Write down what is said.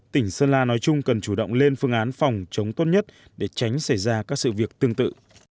tỉnh sơn la nói chung cần chủ động lên phương án phòng chống tốt nhất để tránh xảy ra các sự việc tương tự